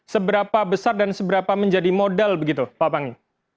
seberapa besar dan seberapa menjadi modal begitu pak panggi